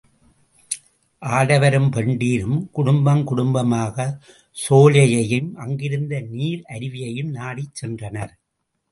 ஆட வரும் பெண்டிரும் குடும்பம் குடும்பமாகச் சோலையையும் அருகிருந்த நீர் அருவியையும் நாடிச் சென்றனர்.